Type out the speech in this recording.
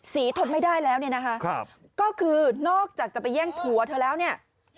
ทนไม่ได้แล้วเนี่ยนะคะก็คือนอกจากจะไปแย่งผัวเธอแล้วเนี่ย